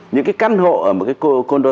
những cái căn hộ ở một cái condo